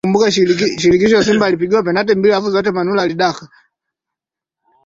Mwalimu anafundisha na wanafunzi wanaandika.